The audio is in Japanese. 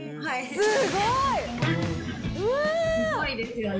すごいですよね。